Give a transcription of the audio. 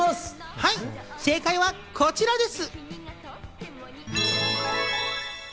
正解はこちらです。